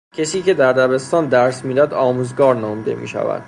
کسی که در دبستان درس میدهد آموزگار نامیده میشود.